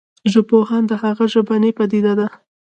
ژبپوهان د هغه ژبنې پديده